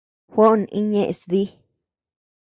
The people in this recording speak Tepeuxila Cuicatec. Juó iñnés dí.